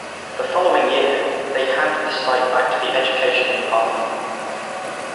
The following year, they handed the site back to the Education Department.